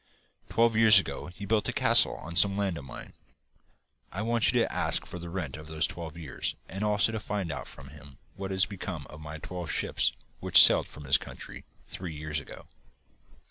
Twelve years ago he built a castle on some land of mine. I want you to ask for the rent for those twelve years and also to find out from him what has become of my twelve ships which sailed for his country three years ago.